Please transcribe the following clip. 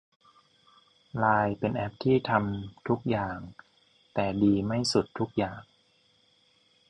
ไลน์เป็นแอปที่ทำทุกอย่าง แต่ดีไม่สุดทุกอย่าง